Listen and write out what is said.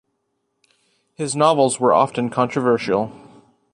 His novels were often controversial.